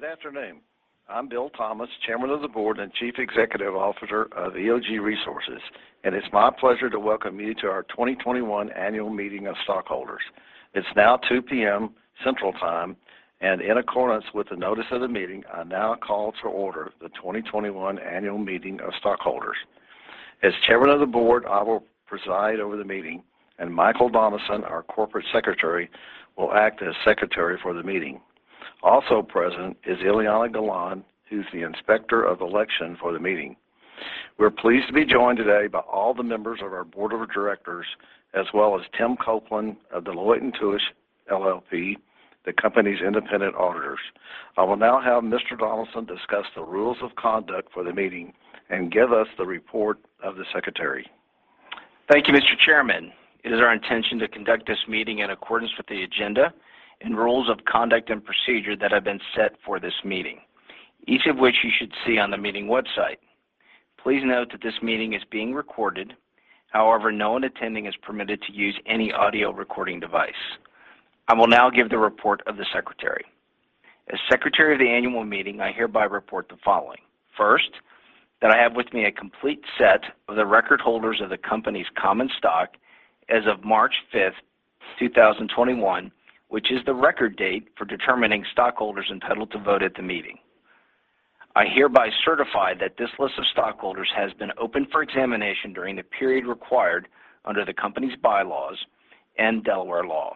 Good afternoon. I'm Bill Thomas, Chairman of the Board and Chief Executive Officer of EOG Resources, and it's my pleasure to welcome you to our 2021 annual meeting of stockholders. It's now 2:00 P.M. Central Time, and in accordance with the notice of the meeting, I now call to order the 2021 annual meeting of stockholders. As Chairman of the Board, I will preside over the meeting, and Michael Donaldson, our Corporate Secretary, will act as secretary for the meeting. Also present is Ileana Galan, who's the Inspector of Election for the meeting. We're pleased to be joined today by all the members of our Board of Directors, as well as Tim Copeland of Deloitte & Touche LLP, the company's independent auditors. I will now have Mr. Donaldson discuss the rules of conduct for the meeting and give us the report of the Secretary. Thank you, Mr. Chairman. It is our intention to conduct this meeting in accordance with the agenda and rules of conduct and procedure that have been set for this meeting, each of which you should see on the meeting website. Please note that this meeting is being recorded. However, no one attending is permitted to use any audio recording device. I will now give the report of the secretary. As secretary of the annual meeting, I hereby report the following. First, that I have with me a complete set of the record holders of the company's common stock as of March 5th, 2021, which is the record date for determining stockholders entitled to vote at the meeting. I hereby certify that this list of stockholders has been open for examination during the period required under the company's bylaws and Delaware law.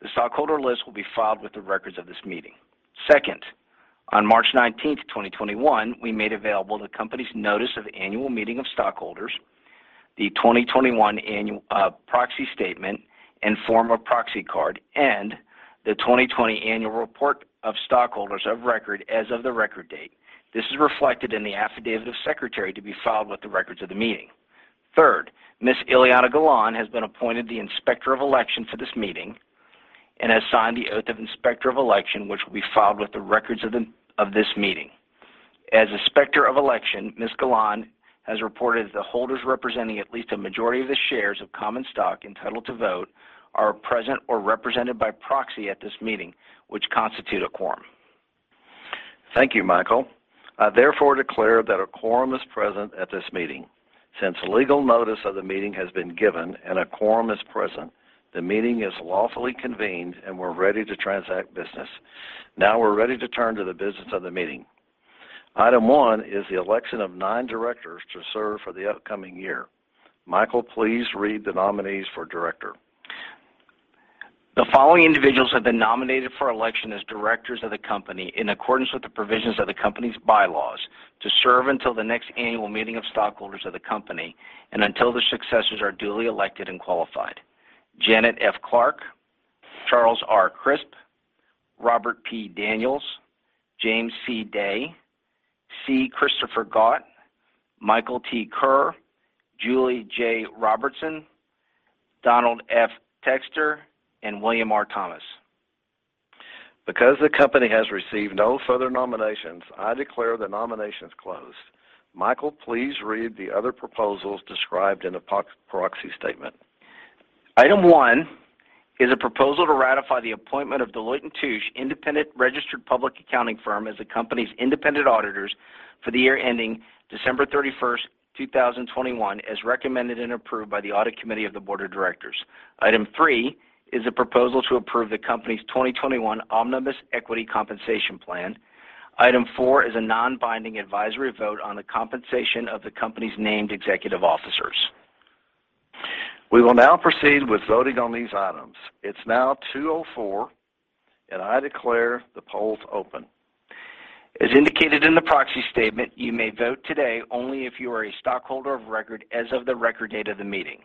The stockholder list will be filed with the records of this meeting. Second, on March 19th, 2021, we made available the company's notice of annual meeting of stockholders, the 2021 annual proxy statement and form of proxy card, and the 2020 annual report of stockholders of record as of the record date. This is reflected in the affidavit of secretary to be filed with the records of the meeting. Third, Ms. Ileana Galan has been appointed the Inspector of Election for this meeting and has signed the Oath of Inspector of Election, which will be filed with the records of this meeting. As Inspector of Election, Ms. Galan has reported that the holders representing at least a majority of the shares of common stock entitled to vote are present or represented by proxy at this meeting, which constitute a quorum. Thank you, Michael. I therefore declare that a quorum is present at this meeting. Since legal notice of the meeting has been given and a quorum is present, the meeting is lawfully convened and we're ready to transact business. We're ready to turn to the business of the meeting. Item one is the election of nine directors to serve for the upcoming year. Michael, please read the nominees for director. The following individuals have been nominated for election as directors of the company in accordance with the provisions of the company's bylaws to serve until the next annual meeting of stockholders of the company and until their successors are duly elected and qualified. Janet F. Clark, Charles R. Crisp, Robert P. Daniels, James C. Day, C. Christopher Gaut, Michael T. Kerr, Julie J. Robertson, Donald F. Textor, and William R. Thomas. Because the company has received no further nominations, I declare the nominations closed. Michael, please read the other proposals described in the proxy statement. Item one is a proposal to ratify the appointment of Deloitte & Touche independent registered public accounting firm as the company's independent auditors for the year ending December 31st, 2021, as recommended and approved by the audit committee of the Board of Directors. Item three is a proposal to approve the company's 2021 Omnibus Equity Compensation Plan. Item four is a non-binding advisory vote on the compensation of the company's named executive officers. We will now proceed with voting on these items. It's now 2:04 P.M., and I declare the polls open. As indicated in the proxy statement, you may vote today only if you are a stockholder of record as of the record date of the meeting.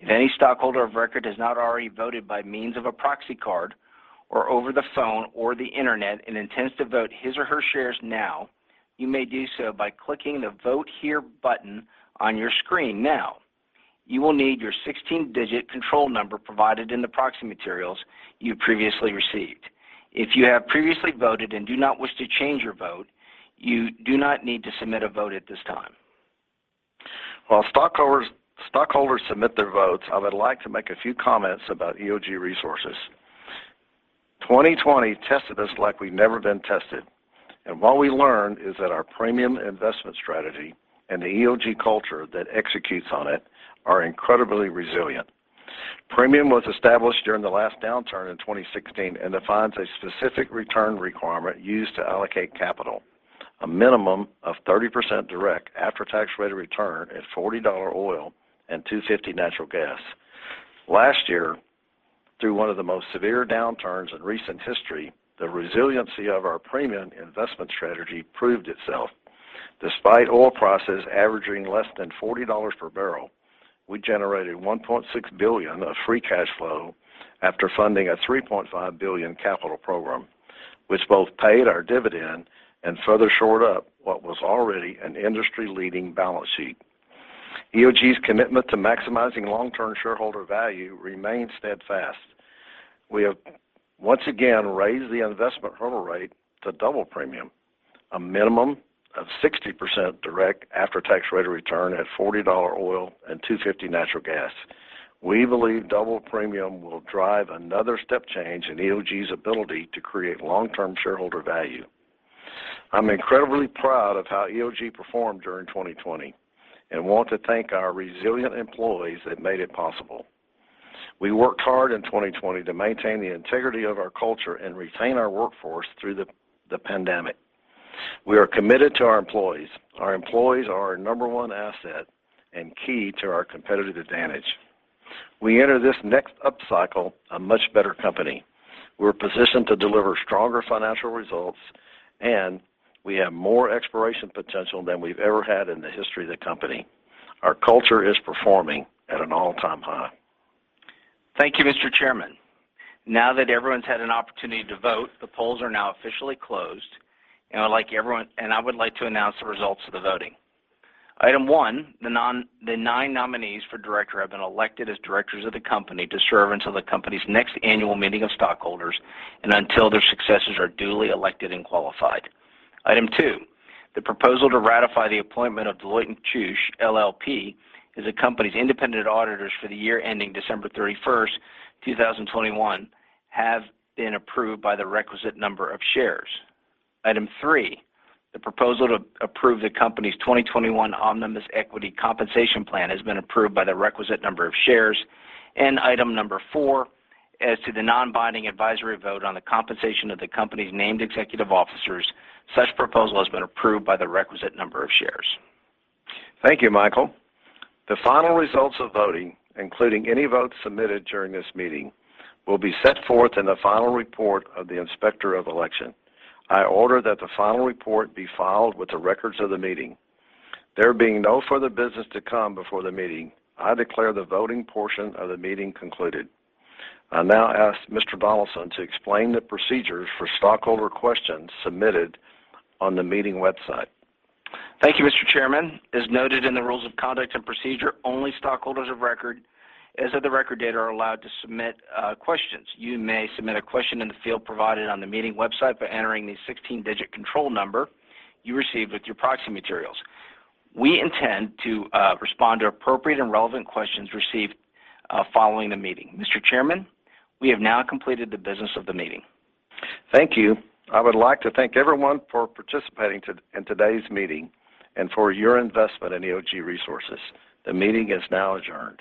If any stockholder of record has not already voted by means of a proxy card or over the phone or the internet and intends to vote his or her shares now, you may do so by clicking the Vote Here button on your screen now. You will need your 16-digit control number provided in the proxy materials you previously received. If you have previously voted and do not wish to change your vote, you do not need to submit a vote at this time. While stockholders submit their votes, I would like to make a few comments about EOG Resources. 2020 tested us like we've never been tested, and what we learned is that our Premium investment strategy and the EOG culture that executes on it are incredibly resilient. Premium was established during the last downturn in 2016 and defines a specific return requirement used to allocate capital, a minimum of 30% direct after-tax rate of return at $40 oil and $2.50 natural gas. Last year, through one of the most severe downturns in recent history, the resiliency of our Premium investment strategy proved itself. Despite oil prices averaging less than $40 per bbl, we generated $1.6 billion of free cash flow after funding a $3.5 billion capital program, which both paid our dividend and further shored up what was already an industry-leading balance sheet. EOG's commitment to maximizing long-term shareholder value remains steadfast. We have once again raised the investment hurdle rate to Double Premium. a minimum of 60% direct after-tax rate of return at $40 oil and $2.50 natural gas. We believe Double Premium will drive another step change in EOG's ability to create long-term shareholder value. I'm incredibly proud of how EOG performed during 2020 and want to thank our resilient employees that made it possible. We worked hard in 2020 to maintain the integrity of our culture and retain our workforce through the pandemic. We are committed to our employees. Our employees are our number one asset and key to our competitive advantage. We enter this next upcycle a much better company. We're positioned to deliver stronger financial results, and we have more exploration potential than we've ever had in the history of the company. Our culture is performing at an all-time high. Thank you, Mr. Chairman. Now that everyone's had an opportunity to vote, the polls are now officially closed, and I would like to announce the results of the voting. Item one, the nine nominees for director have been elected as directors of the company to serve until the company's next annual meeting of stockholders and until their successors are duly elected and qualified. Item two, the proposal to ratify the appointment of Deloitte & Touche LLP as the company's independent auditors for the year ending December 31st, 2021, have been approved by the requisite number of shares. Item three, the proposal to approve the company's 2021 Omnibus Equity Compensation Plan has been approved by the requisite number of shares. Item number four, as to the non-binding advisory vote on the compensation of the company's named executive officers, such proposal has been approved by the requisite number of shares. Thank you, Michael. The final results of voting, including any votes submitted during this meeting, will be set forth in the final report of the Inspector of Election. I order that the final report be filed with the records of the meeting. There being no further business to come before the meeting, I declare the voting portion of the meeting concluded. I now ask Mr. Donaldson to explain the procedures for stockholder questions submitted on the meeting website. Thank you, Mr. Chairman. As noted in the rules of conduct and procedure, only stockholders of record as of the record date are allowed to submit questions. You may submit a question in the field provided on the meeting website by entering the 16-digit control number you received with your proxy materials. We intend to respond to appropriate and relevant questions received following the meeting. Mr. Chairman, we have now completed the business of the meeting. Thank you. I would like to thank everyone for participating in today's meeting and for your investment in EOG Resources. The meeting is now adjourned.